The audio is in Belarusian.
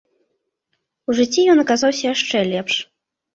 У жыцці ён аказаўся яшчэ лепш.